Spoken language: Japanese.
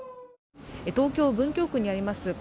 東京・文京区にあります